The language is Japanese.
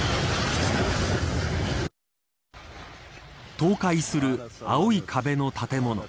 倒壊する青い壁の建物。